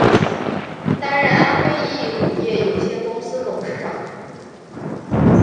担任安徽益益乳业有限公司董事长。